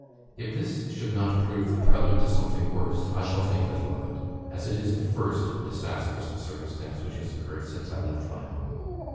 If this should not prove the prelude to something worse I shall think little of it, as it is the first disastrous circumstance which has occurred since I left my home."